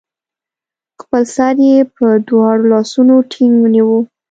خپل سر يې په دواړو لاسونو ټينګ ونيوه